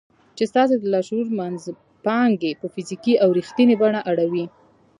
چې ستاسې د لاشعور منځپانګې په فزيکي او رښتينې بڼه اړوي.